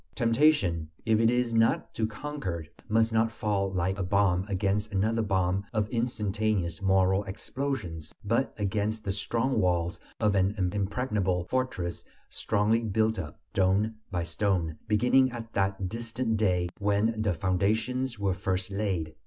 Temptation, if it is not to conquer, must not fall like a bomb against another bomb of instantaneous moral explosions, but against the strong walls of an impregnable fortress strongly built up, stone by stone, beginning at that distant day when the foundations were first laid.